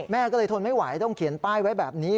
แม่ก็เลยทนไม่ไหวต้องเขียนป้ายไว้แบบนี้